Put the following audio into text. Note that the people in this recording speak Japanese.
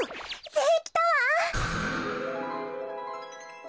できたわ！